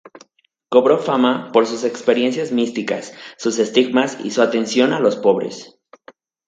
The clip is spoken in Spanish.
Cobró fama por sus experiencias místicas, sus estigmas y su atención a los pobres.